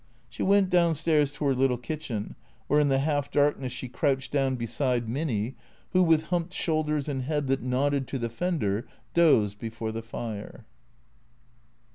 She went down stairs to her little kitchen, where in the half darkness she crouched down beside Minny who, with humped shoulders and head that nodded to the fender, dozed before the fire.